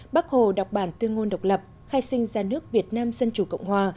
bác hồ đọc bản tuyên ngôn độc lập khai sinh ra nước việt nam dân chủ cộng hòa